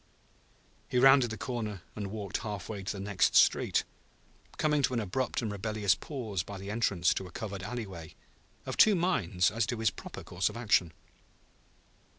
He rounded the corner and walked half way to the next street, coming to an abrupt and rebellious pause by the entrance to a covered alleyway, of two minds as to his proper course of action.